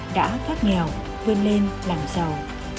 đã thoát nghèo vươn lên làm giàu